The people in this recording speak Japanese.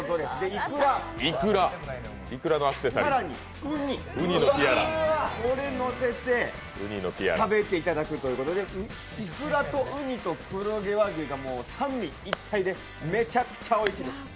いくら、更にうに、これのせて食べていただくということでいくらとうにと黒毛和牛で三位一体でめちゃくちゃおいしいです。